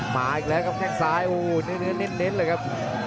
มาอีกแล้วก็แข็งซ้ายโอ้เน็ตเลยครับ